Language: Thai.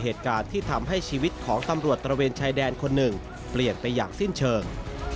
เหตุการณ์ที่ทำให้ชีวิตของตำรวจตระเวนชายแดนคนหนึ่งเปลี่ยนไปอย่างสิ้นเชิง